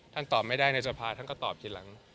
ตอบไม่ได้ในสภาท่านก็ตอบทีหลัง